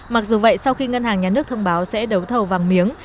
mặc dù vậy sau khi ngân hàng nhà nước thông báo sẽ đấu thầu vàng miếng